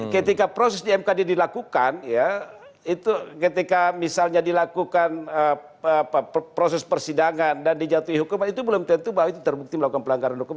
ketika proses di mkd dilakukan ya itu ketika misalnya dilakukan proses persidangan dan dijatuhi hukuman itu belum tentu bahwa itu terbukti melakukan pelanggaran hukum